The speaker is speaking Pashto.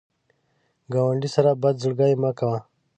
ګاونډي سره بد زړګي مه کوه